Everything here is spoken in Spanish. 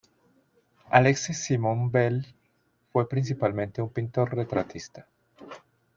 Alexis Simon Belle fue principalmente un pintor-retratista.